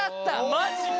マジか。